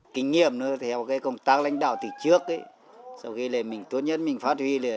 kinh nghiệm theo công tác lãnh đạo từ trước sau khi mình phát huy